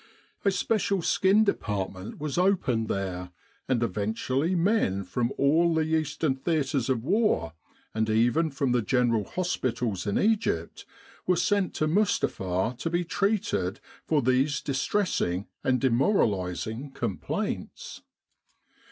A special Skin Department was opened there, and eventually men from all the Eastern theatres of war, and even from the General Hospitals 314 The Mustapha Reception Station in Egypt, were sent to Mustapha to be treated for these distressing and demoralising complaints.